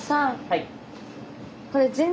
はい。